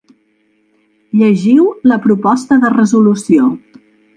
Llegiu la proposta de resolució.